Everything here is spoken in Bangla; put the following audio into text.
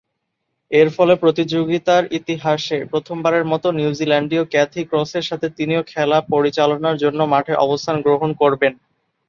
এরফলে প্রতিযোগিতার ইতিহাসে প্রথমবারের মতো নিউজিল্যান্ডীয় ক্যাথি ক্রসের সাথে তিনিও খেলা পরিচালনার জন্য মাঠে অবস্থান গ্রহণ করবেন।